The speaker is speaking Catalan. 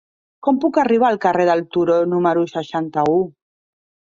Com puc arribar al carrer del Turó número seixanta-u?